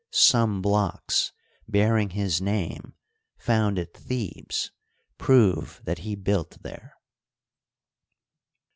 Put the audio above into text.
Some blocks, bearing his name, found at Thebes, prove that he built there.